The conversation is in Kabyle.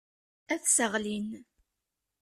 Ad t-sseɣlin.